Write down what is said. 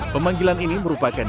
pemanggilan ini merupakan